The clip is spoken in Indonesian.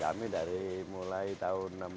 kami dari mulai tahun enam puluh tujuh